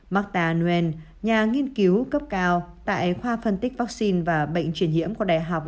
marta nguyen nhà nghiên cứu cấp cao tại khoa phân tích vaccine và bệnh truyền hiểm của đại học